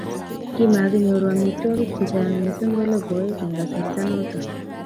kimakinyoru amitwogik che chang' mising ko logoek eng' kasarta noto